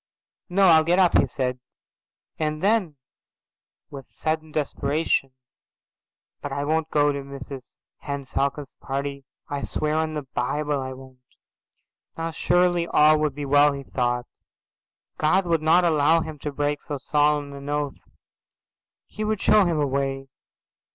"No, I'll get up," he said, and then with sudden desperation, "But I won't go to Mrs Henne Falcon's party. I swear on the Bible I won't." Now surely all would be well, he thought. God would not allow him to break so solemn an oath. He would show him a way.